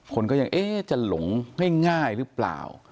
คนก็ยังเอ๊ะจะหลงง่ายหรือเปล่า